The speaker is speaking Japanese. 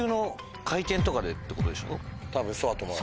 多分そうだと思う。